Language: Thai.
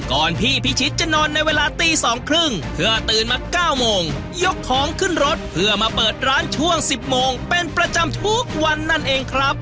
พี่พิชิตจะนอนในเวลาตี๒๓๐เพื่อตื่นมา๙โมงยกของขึ้นรถเพื่อมาเปิดร้านช่วง๑๐โมงเป็นประจำทุกวันนั่นเองครับ